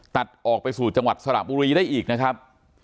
ตัดออกไปสู่จังหวัดสระบุรีได้อีกนะครับ